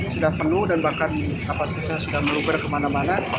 sudah penuh dan bahkan kapasitasnya sudah meluber kemana mana